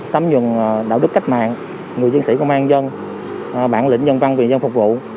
tấm dừng đạo đức cách mạng người diễn sĩ công an dân bản lĩnh dân văn viện dân phục vụ